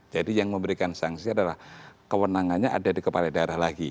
jadi yang memberikan sanksi adalah kewenangannya ada di kepala daerah lagi